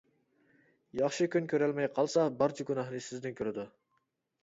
ياخشى كۈن كۆرەلمەي قالسا بارچە گۇناھنى سىزدىن كۆرىدۇ.